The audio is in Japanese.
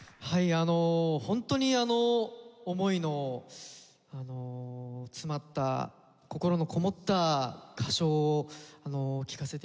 あのホントに思いの詰まった心のこもった歌唱を聴かせて頂きまして。